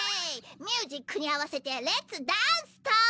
ミュージックに合わせてレッツダーンストン！